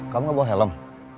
kamu gak bawa helm